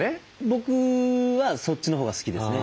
僕はそっちのほうが好きですね。